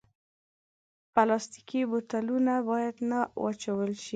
پلاستيکي بوتلونه باید نه واچول شي.